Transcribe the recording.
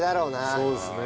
そうですね。